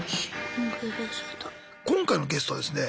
今回のゲストはですねね